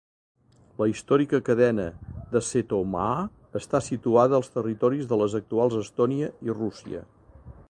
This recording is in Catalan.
L"històrica cadena de Setomaa està situada als territoris de les actuals Estònia i Rússia..